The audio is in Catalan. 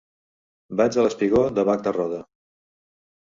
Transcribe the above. Vaig al espigó de Bac de Roda.